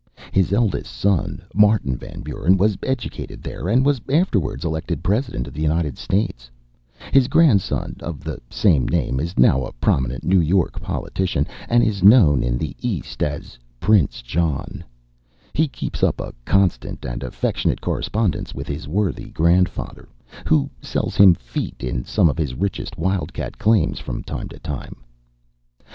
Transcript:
His eldest son, Martin Van Buren, was educated there, and was afterwards elected President of the United States; his grandson, of the same name, is now a prominent New York politician, and is known in the East as "Prince John;" he keeps up a constant and affectionate correspondence with his worthy grandfather, who sells him feet in some of his richest wildcat claims from time to time.